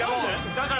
だから！